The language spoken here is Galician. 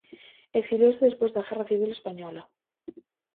Exiliouse despois da Guerra Civil Española.